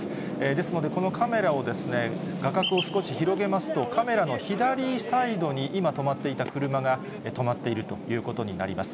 ですので、このカメラを画角を少し広げますと、カメラの左サイドに今、止まっていた車が止まっているということになります。